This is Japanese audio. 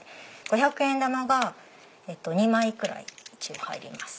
五百円玉が２枚くらい一応入ります。